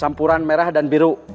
sampuran merah dan biru